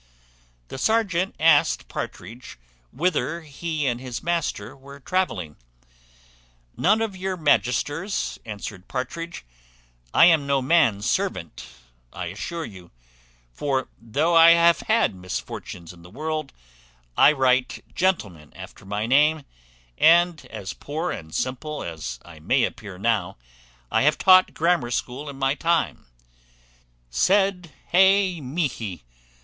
The serjeant asked Partridge whither he and his master were travelling? "None of your magisters," answered Partridge; "I am no man's servant, I assure you; for, though I have had misfortunes in the world, I write gentleman after my name; and, as poor and simple as I may appear now, I have taught grammar school in my time; _sed hei mihi!